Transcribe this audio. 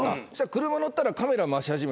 車乗ったらカメラ回し始め